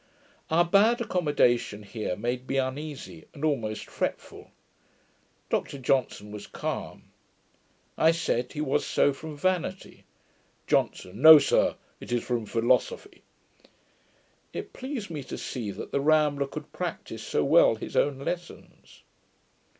Our bad accommodation here made me uneasy, and almost fretful. Dr Johnson was calm. I said, he was so from vanity. JOHNSON. 'No, sir, it is from philosophy.' It pleased me to see that the Rambler could practise so well his own lessons.